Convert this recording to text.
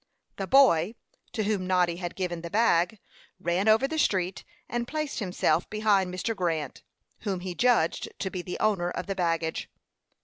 The boy, to whom Noddy had given the bag, ran over the street, and placed himself behind Mr. Grant, whom he judged to be the owner of the baggage.